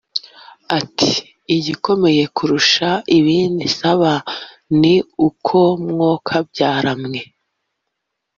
Ati “Igikomeye kurusha ibindi nsaba ni uko mwo kabyara mwe